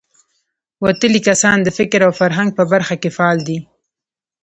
وتلي کسان د فکر او فرهنګ په برخه کې فعال دي.